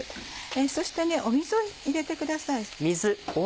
そして水を入れてください。